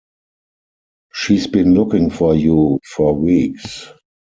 She's been looking for you for weeks.